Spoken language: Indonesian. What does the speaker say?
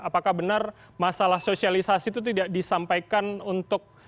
apakah benar masalah sosialisasi itu tidak disampaikan untuk